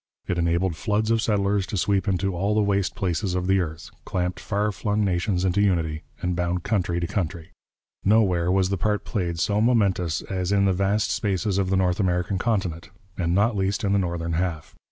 It enabled floods of settlers to sweep into all the waste places of the earth, clamped far flung nations into unity, and bound country to country. Nowhere was the part played so momentous as in the vast spaces of the North American continent, and not least in the northern half.